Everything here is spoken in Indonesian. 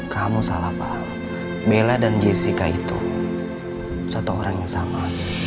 kamu salah paham bella dan jessica itu satu orang yang sama